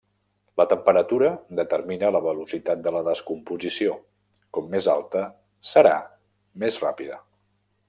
La temperatura determina la velocitat de la descomposició, com més alta serà més ràpida.